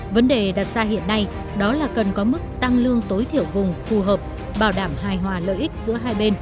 vấn đề đặt ra hiện nay đó là cần có mức tăng lương tối thiểu vùng phù hợp bảo đảm hài hòa lợi ích